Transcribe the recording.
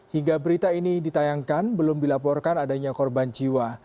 hingga berita ini ditayangkan belum dilaporkan adanya korban jiwa